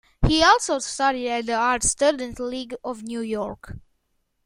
He also studied at the Art Students League of New York.